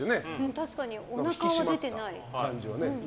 確かにおなかは出てない。